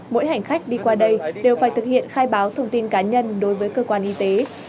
mỗi hành khách đi qua đây đều phải thực hiện khai báo thông tin cá nhân đối với cơ quan y tế